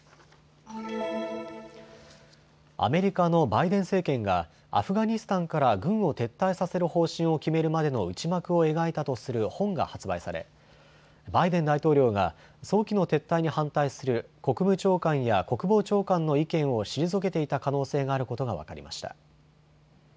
アメリカのバイデン政権がアフガニスタンから軍を撤退させる方針を決めるまでの内幕を描いたとする本が発売されバイデン大統領が早期の撤退に反対する国務長官や国防長官の意見を退けていた可能性があることが分かりました。